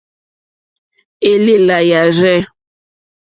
Élèlà yârzɛ̂.